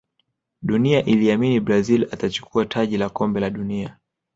dunia iliamini brazil atachukua taji la kombe la dunia